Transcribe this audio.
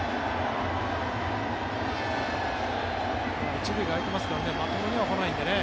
１塁が空いてますからまともには来ないんでね。